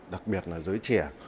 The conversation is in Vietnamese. đặc biệt là giới trẻ